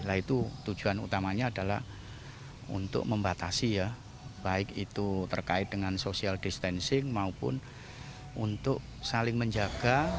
nah itu tujuan utamanya adalah untuk membatasi ya baik itu terkait dengan social distancing maupun untuk saling menjaga